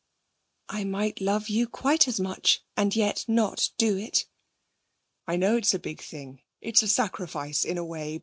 'I might love you quite as much, and yet not do it.' 'I know it's a big thing. It's a sacrifice, in a way.